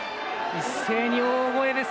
一斉に大声です。